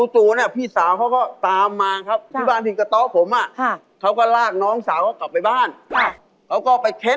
ตนะคะมึงมันอาบน่าก่อนก็ไม่เป็น